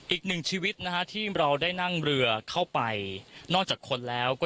อีกหนึ่งชีวิตนะฮะที่เราได้นั่งเรือเข้าไปนอกจากคนแล้วก็